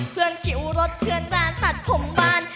เพื่อนกิวรถเพื่อนร้านตัดผมบ้าน